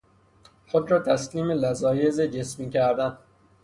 خود را تسلیم لذایذ جسمی کردن